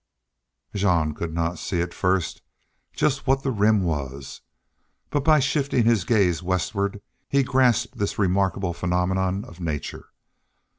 Jean could not see at first just what the Rim was, but by shifting his gaze westward he grasped this remarkable phenomenon of nature.